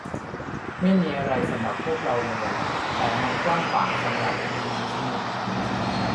ไม่มีอะไรสำหรับพวกเราเลย แต่มันกว้างขวางสำหรับมหาสมุทร